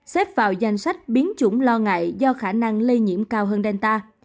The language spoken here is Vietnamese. xếp vào danh sách biến chủng lo ngại do khả năng lây nhiễm cao hơn delta